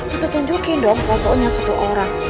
kita tunjukin dong fotonya ke tu orang